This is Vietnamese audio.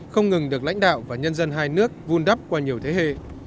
không ngừng được lãnh đạo và nhân dân hai nước vun đắp qua nhiều thế hệ